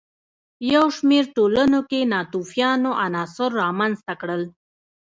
یو شمېر ټولنو لکه ناتوفیانو عناصر رامنځته کړل.